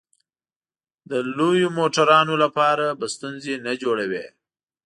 د لویو موټرو لپاره به ستونزې نه جوړوې.